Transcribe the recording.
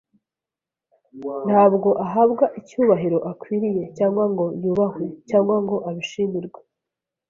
Ntabwo ahabwa icyubahiro akwiriye, cyangwa ngo yubahwe, cyangwa ngo abishimirwe.